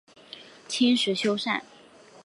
清时修缮。